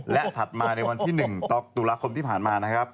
และถัดมาในวันที่๑ตุลาคมที่ผ่านมานะครับ